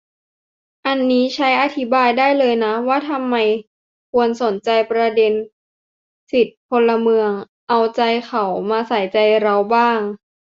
อันนี้ใช้อธิบายได้เลยนะ ว่าทำไมถึงควรสนใจประเด็นสิทธิพลเมือง เอาใจเขามาใส่ใจเราบ้าง